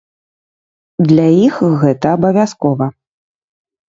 Для іх гэта абавязкова.